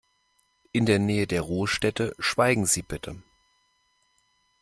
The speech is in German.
In der Nähe der Ruhestätte schweigen Sie bitte.